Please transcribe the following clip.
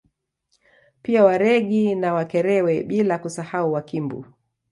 Pia Waregi na Wakerewe bila kusahau Wakimbu